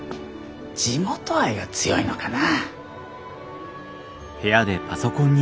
地元愛が強いのかなぁ。